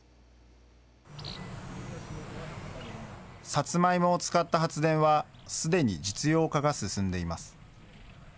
サツマイモを使った発電は、すでに実用化が進んでいます。